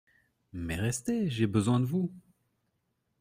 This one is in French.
Mais restez, j’ai besoin de vous…